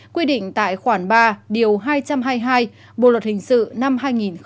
quy định tại khoản ba điều hai trăm hai mươi hai bộ luật hình sự năm hai nghìn một mươi năm